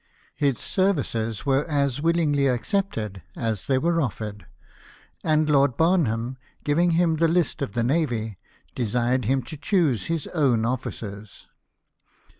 His services were as willingly accepted as they were offered ; and Lord Barham, giving him the list of the Navy, desired him to choose his own officers.